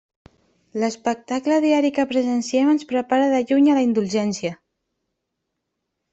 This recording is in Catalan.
L'espectacle diari que presenciem ens prepara de lluny a la indulgència.